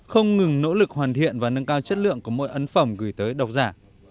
không ngừng nỗ lực hoàn thiện và nâng cao chất lượng của mỗi ấn phẩm gửi tới độc giả